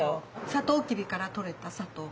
サトウキビからとれた砂糖。え。